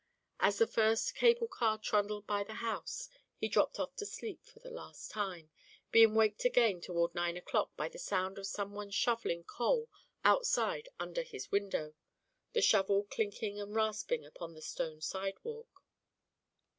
As the first cable car trundled by the house he dropped off to sleep for the last time, being waked again toward nine o'clock by the sound of some one shovelling coal outside under his window, the shovel clinking and rasping upon the stone sidewalk.